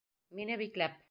Мине бикләп!